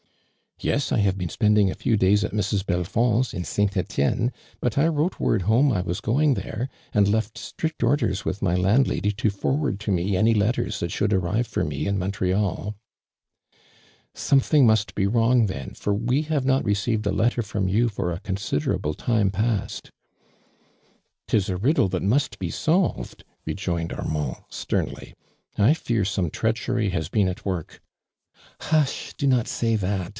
*" Yes, I have been spending a few days at Mrs. Belfond's, in St. Etienne, but I wrote word home I was going there, an<l left strict orders with my landlsuly to forward to me any letters that should arrive for me in Montreal." " Something must be wrong then, for we have not received a letter from you for a considerable time past." "'Tis a riddle that must be solved," re joined Armand, sternly. "I fear some treachery has been at work." " Hush ! Do not say that